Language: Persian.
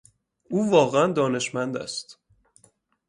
او واقعا دانشمند است.